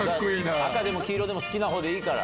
赤でも黄色でも好きなのでいいから。